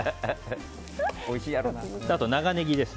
あと長ネギです